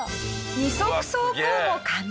二足走行も可能。